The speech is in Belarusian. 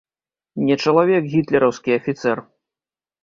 Не чалавек гітлераўскі афіцэр!